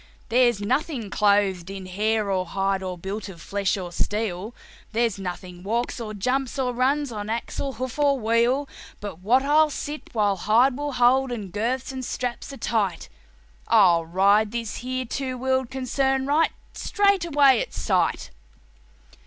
There's nothing clothed in hair or hide, or built of flesh or steel, There's nothing walks or jumps, or runs, on axle, hoof or wheel, But what I'll sit, while hide will hold and girths and straps are tight; I'll ride this here two wheeled concern right straight away at sight."